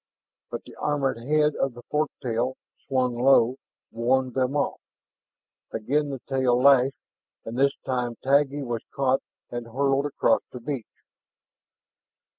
But the armored head of the fork tail, slung low, warned them off. Again the tail lashed, and this time Taggi was caught and hurled across the beach.